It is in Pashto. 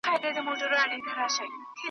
لکه غشې هسي تښتي له مکتبه .